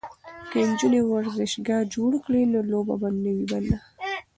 که نجونې ورزشگاه جوړ کړي نو لوبه به نه وي بنده.